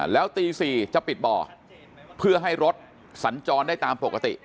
แล้วตี๔จะปิดบ่อเพื่อให้รถสัญจรได้ตามปกติ